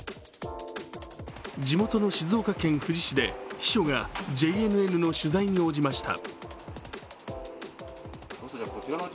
地元の静岡県富士市で秘書がＪＮＮの取材に応じました。